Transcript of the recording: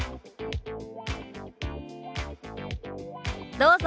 どうぞ。